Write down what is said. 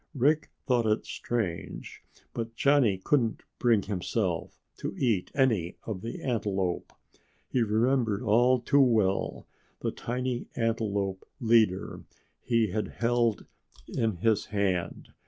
Rick thought it strange, but Johnny couldn't bring himself to eat any of the antelope; he remembered all too well the tiny antelope leader he had held in his hand.